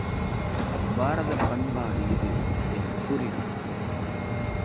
பாரதப் பண்பாடு இது என்று கூறினான்.